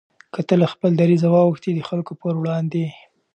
که ته له خپل دریځه واوښتې د خلکو پر وړاندې